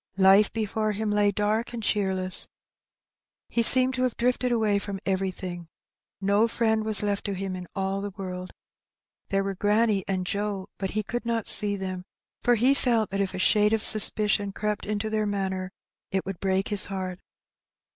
Life before him lay dark and cheerless. He seemed to have drifted away from every thing: no friend was left to him in all the world. There were granny and Joe, but he could not see them, for he felt that if a shade of suspicion crept into their manner, it would break his heart.